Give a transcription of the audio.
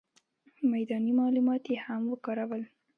میداني معلومات یې هم وکارول.